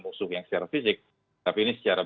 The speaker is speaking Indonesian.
musuh yang secara fisik tapi ini secara